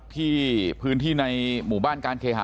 ที่พื้นที่ในหมู่บ้านการเคหะ